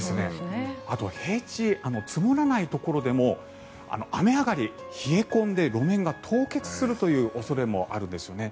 あとは平地積もらないところでも雨上がり、冷え込んで路面が凍結するという恐れもあるんですね。